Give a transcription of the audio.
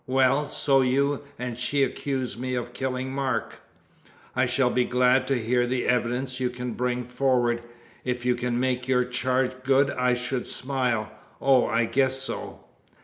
Well, so you and she accuse me of killing Mark? I shall be glad to hear the evidence you can bring forward. If you can make your charge good I should smile. Oh, I guess so!"